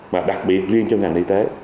mà đặc biệt liên cho ngành y tế